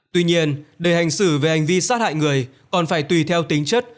tuy nhiên để hành xử về hành vi sát hại người còn phải tùy theo tính chất